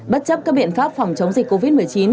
bất chấp các biện pháp phòng chống dịch covid một mươi chín